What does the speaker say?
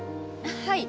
はい。